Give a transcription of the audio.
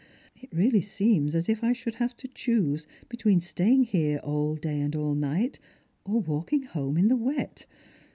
It really seems as if I should have to choose between staying here all day and all night, or walking home in the wet.